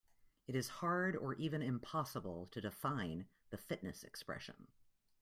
It is hard or even impossible to define the fitness expression.